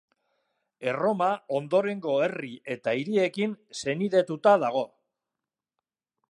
Erroma ondorengo herri eta hiriekin senidetuta dago.